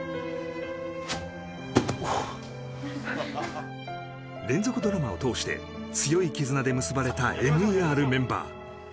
おお連続ドラマを通して強い絆で結ばれたＭＥＲメンバー